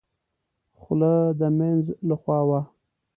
خوله د مينځ له خوا وه.